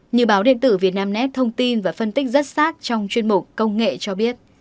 như báo điện tử việt nam nét thông tin và phân tích rất xác trong chuyên mục công nghệ cho biết